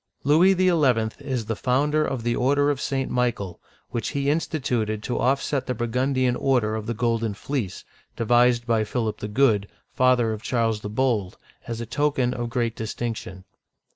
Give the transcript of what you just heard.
Louis XL is the founder of the order of St. Michael, which he instituted to offset the Burgundian order of the Golden Fleece, devised by Philip the Good, father of Charles the Bold, as a token of great distinction.